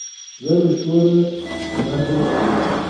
زه له شور ډډه کوم.